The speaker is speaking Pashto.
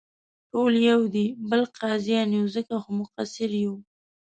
ټول یو دې بل قاضیان یو، ځکه خو مقصر یو.